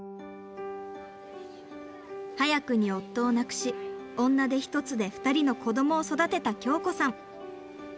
早くに夫を亡くし女手一つで２人の子どもを育てた京子さん。